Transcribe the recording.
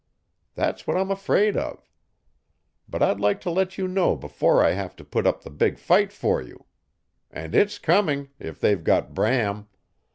That's what I'm afraid of. But I'd like to let you know before I have to put up the big fight for you. And it's coming if they've got Bram.